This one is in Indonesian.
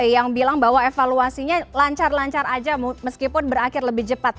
yang bilang bahwa evaluasinya lancar lancar aja meskipun berakhir lebih cepat